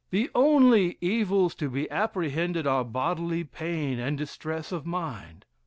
The only evils to be apprehended are bodily pain, and distress of mind.